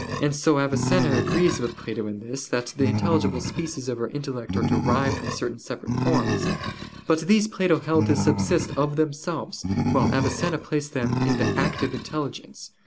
And so Avicenna agrees with Plato in this, that the intelligible species of our intellect are derived from certain separate forms; but these Plato held to subsist of themselves, while Avicenna placed them in the "active intelligence."